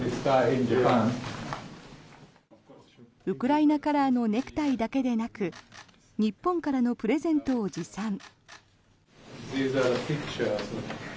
ウクライナカラーのネクタイだけでなく日本からのプレゼントを持参。